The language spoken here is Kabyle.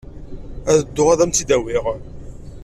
Ad dduɣ ad am-tt-id-awiɣ.